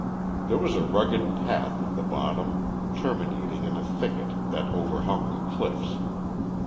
There was a rugged path at the bottom, terminating in a thicket that overhung the cliffs.